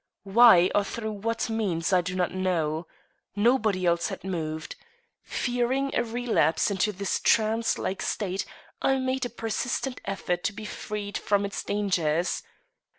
Why or through what means I do not know. Nobody else had moved. Fearing a relapse into this trance like state, I made a persistent effort to be freed from its dangers.